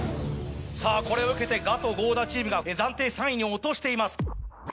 さぁこれを受けてガト・合田チームが暫定３位に落としています。